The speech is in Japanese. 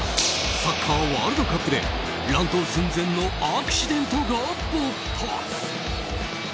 サッカーワールドカップで乱闘寸前のアクシデントが勃発！